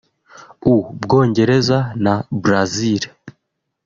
u Bwongereza na Brazil